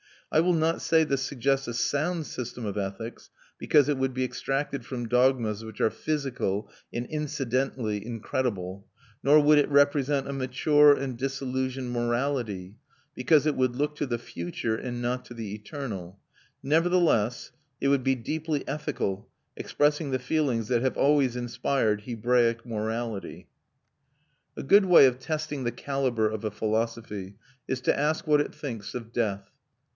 I will not say this suggests a sound system of ethics, because it would be extracted from dogmas which are physical and incidentally incredible; nor would it represent a mature and disillusioned morality, because it would look to the future and not to the eternal; nevertheless it would be deeply ethical, expressing the feelings that have always inspired Hebraic morality. A good way of testing the calibre of a philosophy is to ask what it thinks of death.